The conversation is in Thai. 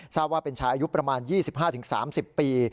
ทราบว่าเป็นชายอายุประมาณ๒๕๓๐ปี